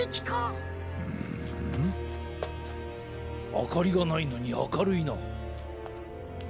あかりがないのにあかるいな。